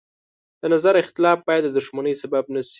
د نظر اختلاف باید د دښمنۍ سبب نه شي.